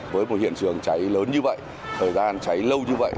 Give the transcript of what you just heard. với một hiện trường cháy lớn như vậy thời gian cháy lâu như vậy